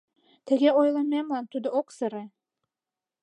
Тыге ойлымемлан тудо ок сыре.